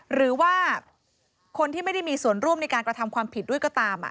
หรือว่าคนที่ไม่ได้มีส่วนร่วมในการกระทำความผิดด้วยก็ตาม